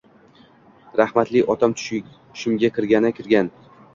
Rahmatli otam tushimga kirgani-kirgan